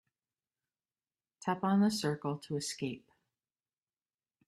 Tap on the circle to escape.